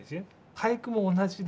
俳句も同じで。